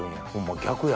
逆や。